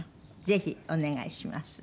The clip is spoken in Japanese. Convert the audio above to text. ぜひお願いします。